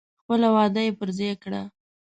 خپله وعده یې پر ځای کړه.